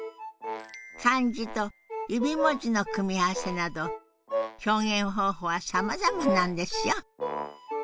漢字と指文字の組み合わせなど表現方法はさまざまなんですよ。